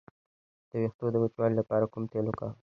د ویښتو د وچوالي لپاره کوم تېل وکاروم؟